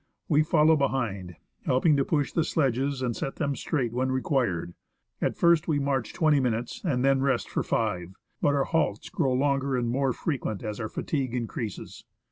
We follow behind, helping to push the sledges and set them straight when required. At first, we march twenty minutes, and then rest for five, but our halts grow longer and more frequent as our fatigue in creases.